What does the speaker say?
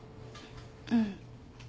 うん。